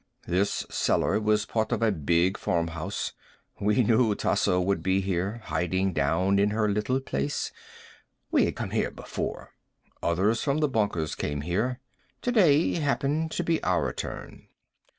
This cellar was part of a big farmhouse. We knew Tasso would be here, hiding down in her little place. We had come here before. Others from the bunkers came here. Today happened to be our turn."